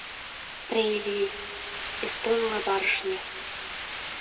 Прейли — эстонла: барышне.